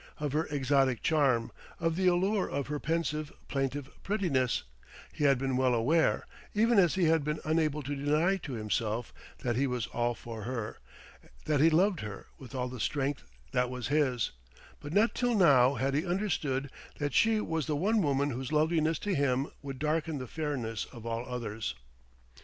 Of her exotic charm, of the allure of her pensive, plaintive prettiness, he had been well aware; even as he had been unable to deny to himself that he was all for her, that he loved her with all the strength that was his; but not till now had he understood that she was the one woman whose loveliness to him would darken the fairness of all others.